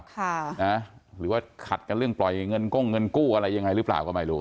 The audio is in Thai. ค่ะนะหรือว่าขัดกันเรื่องปล่อยเงินก้งเงินกู้อะไรยังไงหรือเปล่าก็ไม่รู้